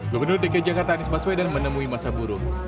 gubernur dki jakarta anies baswedan menemui masa buruh